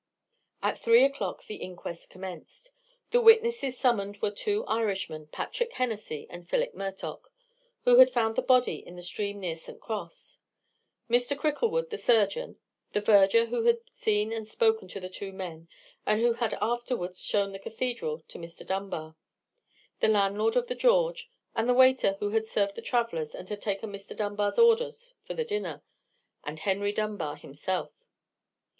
At three o'clock the inquest commenced. The witnesses summoned were the two Irishmen, Patrick Hennessy and Philip Murtock, who had found the body in the stream near St. Cross; Mr. Cricklewood, the surgeon; the verger, who had seen and spoken to the two men, and who had afterwards shown the cathedral to Mr. Dunbar; the landlord of the George, and the waiter who had received the travellers and had taken Mr. Dunbar's orders for the dinner; and Henry Dunbar himself.